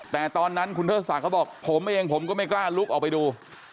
แต่ตอนนั้นคุณเทิดศักดิ์เขาบอกผมเองผมก็ไม่กล้าลุกออกไปดู